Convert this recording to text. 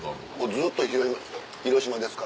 ずっと広島ですか？